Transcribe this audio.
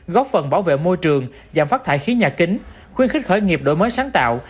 góp phần bảo vệ môi trường giảm phát thải khí nhà kính khuyến khích khởi nghiệp đổi mới sáng tạo